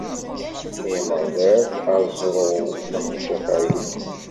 Ay Ameɣlal, aẓru-w, amcafeɛ-iw.